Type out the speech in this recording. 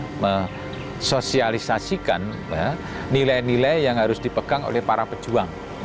dan juga memasukkan nilai nilai yang harus dipegang oleh para pejuang